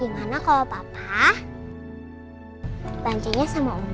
gimana kalau papa bantainya sama uma